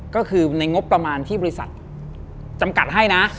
ก็คือในงบประมาณที่บริษัทจำกัดให้นะ